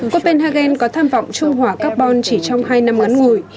copenhagen có tham vọng trung hòa carbon chỉ trong hai năm ngắn ngủi